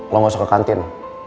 lo gak usah ke kantin